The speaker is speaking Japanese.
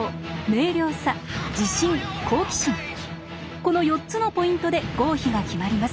この４つのポイントで合否が決まります。